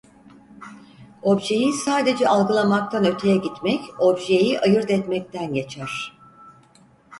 Objeyi sadece algılamaktan öteye gitmek objeyi ayırt etmekten geçer.